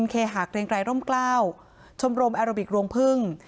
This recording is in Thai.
เคหาเกรงไกรร่มกล้าชมรมแอโรบิกรวงพึ่ง